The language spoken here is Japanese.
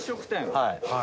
はい。